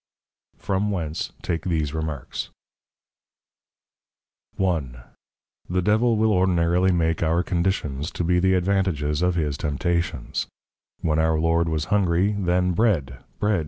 _ From whence, take these Remarks. I. The Devil will ordinarily make our Conditions, to be the Advantages of his Temptations. When our Lord was Hungry, then _Bread! Bread!